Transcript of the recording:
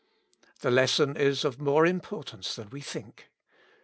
The lesson is of more importance than we think.